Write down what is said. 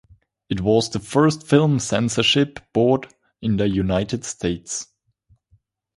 It was the first film censorship board in the United States.